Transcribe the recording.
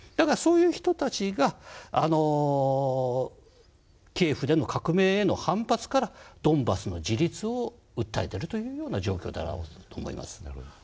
そういう人たちがキエフでの革命への反発からドンバスの自立を訴えてるというような状況だろうと思います。